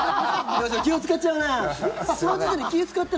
気を使っちゃうなって。